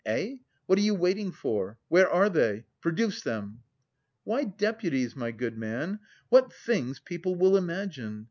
eh! What are you waiting for? Where are they? Produce them?" "Why deputies, my good man? What things people will imagine!